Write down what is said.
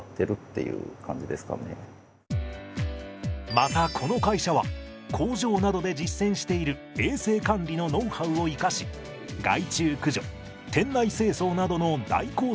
またこの会社は工場などで実践している衛生管理のノウハウを生かし害虫駆除店内清掃などの代行サービスも提供しています。